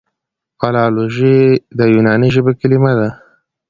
فلالوژي د یوناني ژبي کليمه ده.